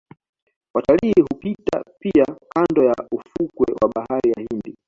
Watalii hupita pia kando ya ufukwe wa bahari ya Hindi